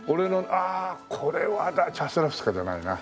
ああこれはチャスラフスカじゃないな。